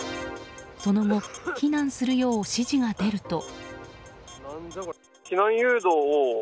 その後避難するよう指示が出ると。